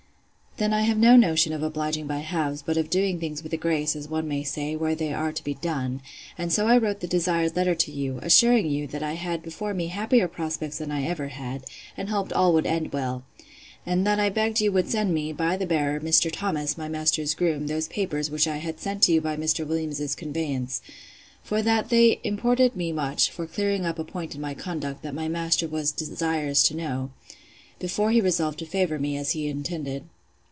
Then I have no notion of obliging by halves; but of doing things with a grace, as one may say, where they are to be done; and so I wrote the desired letter to you, assuring you, that I had before me happier prospects than ever I had; and hoped all would end well: And that I begged you would send me, by the bearer, Mr. Thomas, my master's groom, those papers, which I had sent you by Mr. Williams's conveyance: For that they imported me much, for clearing up a point in my conduct, that my master was desirous to know, before he resolved to favour me, as he had intended.